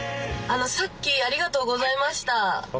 さっきありがとうございました。